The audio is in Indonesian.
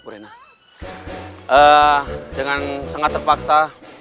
dengan sangat terpaksa